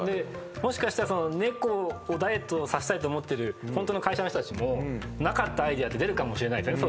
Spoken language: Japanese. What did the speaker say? もしかしたらその猫をダイエットさせたいと思ってるホントの会社の人たちもなかったアイデアって出るかもしれないですね